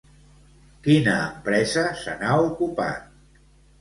Quina empresa se n'ha ocupat?